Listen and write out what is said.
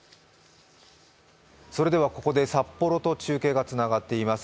それでは、ここで札幌と中継がつながっています。